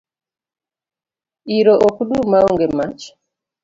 Iro ok dum maonge mach